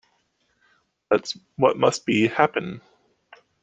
Let what must be, happen.